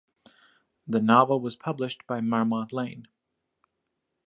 The novel was published by Marmont Lane.